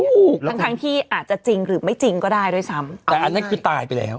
ถูกทั้งทั้งที่อาจจะจริงหรือไม่จริงก็ได้ด้วยซ้ำแต่อันนั้นคือตายไปแล้ว